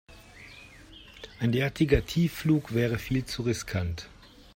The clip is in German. Ein derartiger Tiefflug wäre viel zu riskant.